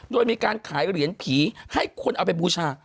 โดยมีการขายเหรียญผีให้คนเอาไปบูชา